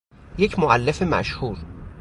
یک مولف مشهور